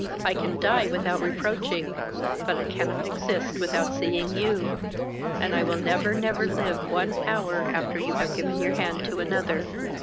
I can die without reproaching, but I cannot exist without seeing you; and I will never, never live one hour after you have given your hand to another.